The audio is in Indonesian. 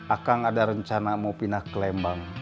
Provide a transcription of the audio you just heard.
akan ada rencana mau pindah ke lembang